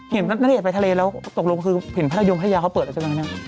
เห็นนั่นเรียกไปทะเลแล้วตกลงคือเห็นพัทยมพัทยาเขาเปิดแล้วจังไง